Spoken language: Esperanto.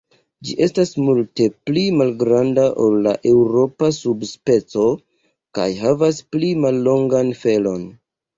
Ĝi estas multe pli malgranda ol la eŭropa sub-speco kaj havas pli mallongan felon.